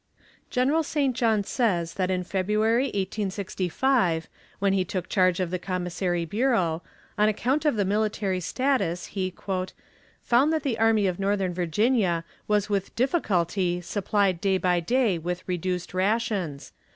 General St. John says that in February, 1865, when he took charge of the commissary bureau, on account of the military status he "found that the Army of Northern Virginia was with difficulty supplied day by day with reduced rations.